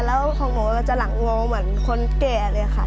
แล้วของหนูจะหลังงอเหมือนคนแก่เลยค่ะ